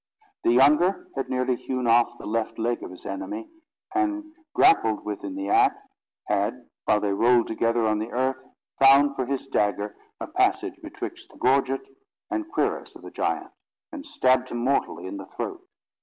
The younger had nearly hewn off the left leg of his enemy; and, grappled with in the act, had, while they rolled together on the earth, found for his dagger a passage betwixt the gorget and cuirass of the giant, and stabbed him mortally in the throat.